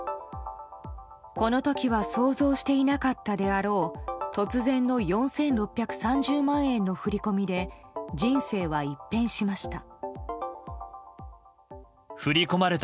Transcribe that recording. この時は想像していなかったであろう突然の４６３０万円の振り込みで、人生は一変しました。